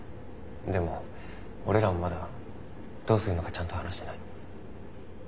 でも俺らもまだどうするのかちゃんと話してない。